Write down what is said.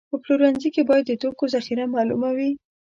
په پلورنځي کې باید د توکو ذخیره معلومه وي.